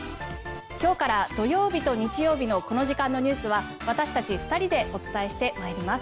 今日から土曜日と日曜日のこの時間のニュースは私たち２人でお伝えしてまいります。